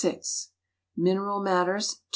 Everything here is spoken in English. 0 Mineral matters 2.